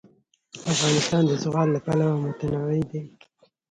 افغانستان د زغال له پلوه متنوع دی.